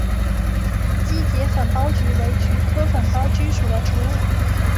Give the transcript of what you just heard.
基节粉苞菊为菊科粉苞苣属的植物。